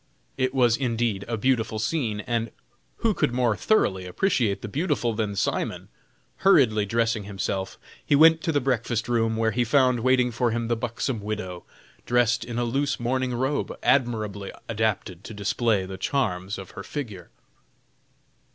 It was indeed a beautiful scene, and who could more thoroughly appreciate the beautiful than Simon? Hurriedly dressing himself, he went to the breakfast room, where he found waiting for him the buxom widow, dressed in a loose morning robe, admirably adapted to display the charms of her figure.